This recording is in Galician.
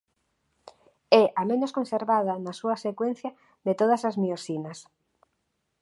É a menos conservada na súa secuencia de todas as miosinas.